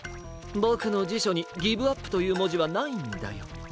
ボクのじしょにギブアップというもじはないんだよ。